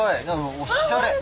おしゃれ！